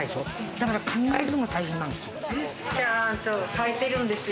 だから考えるのが大変なんですよ。